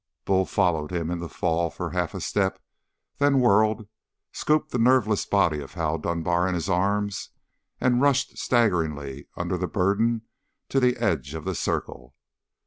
Bull followed him in the fall, for half a step, then whirled, scooped the nerveless body of Hal Dunbar in his arms, and rushed staggering under the burden to the edge of the circle.